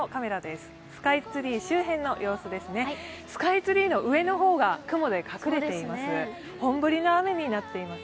スカイツリーの上の方が雲で隠れています。